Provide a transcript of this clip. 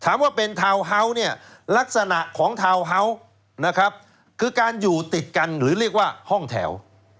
ว่าเป็นทาวน์เฮาส์เนี่ยลักษณะของทาวน์เฮาส์นะครับคือการอยู่ติดกันหรือเรียกว่าห้องแถว